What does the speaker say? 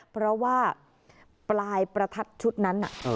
เพราะว่าปลายประทัดชุดนั้น